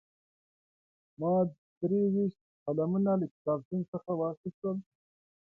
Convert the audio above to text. ما درې ویشت قلمونه له کتابتون څخه واخیستل.